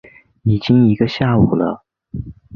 已经一个下午了